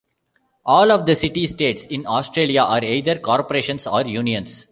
All of the City States in Australia are either Corporations or Unions.